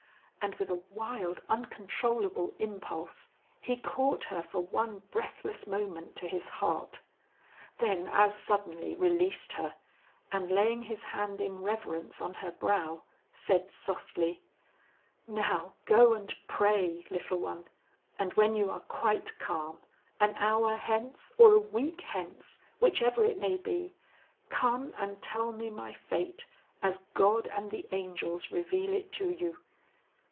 and with a wild, uncontrollable impulse, he caught her for one breathless moment to his heart; then as suddenly released her, and laying his hand in reverence on her brow, said softly, "Now go and pray, little one; and when you are quite calm, an hour hence or a week hence whichever it may be, come and tell me my fate as God and the angels reveal it to you."